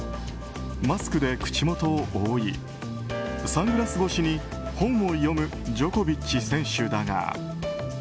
マスクで口元を覆いサングラス越しに本を読むジョコビッチ選手だが。